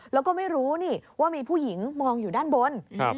แล้วก็ไม่รู้นี่ว่ามีผู้หญิงมองอยู่ด้านบน